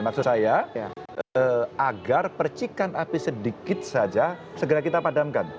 maksud saya agar percikan api sedikit saja segera kita padamkan